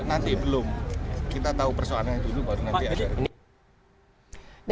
nanti belum kita tahu persoalannya dulu baru nanti ada